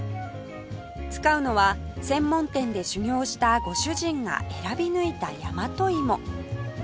使うのは専門店で修業したご主人が選び抜いた大和芋